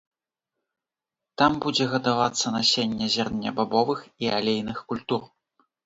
Там будзе гадавацца насенне зернебабовых і алейных культур.